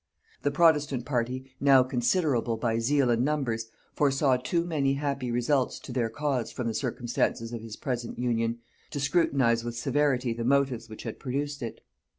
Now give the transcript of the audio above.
The protestant party, now considerable by zeal and numbers, foresaw too many happy results to their cause from the circumstances of his present union, to scrutinize with severity the motives which had produced it.